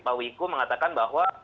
pak wiku mengatakan bahwa